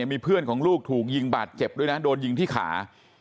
มีเพื่อนของลูกถูกยิงบาดเจ็บด้วยนะโดนยิงที่ขา